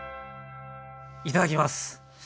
いただきます！